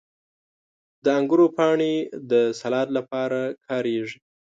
• د انګورو پاڼې د سالاد لپاره کارېږي.